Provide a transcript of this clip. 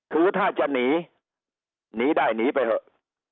คือถ้าจะหนีหนีได้หนีไปเถอะ